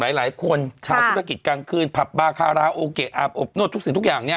หลายคนชาวธุรกิจกลางคืนผับบาคาราโอเกะอาบอบนวดทุกสิ่งทุกอย่างเนี่ย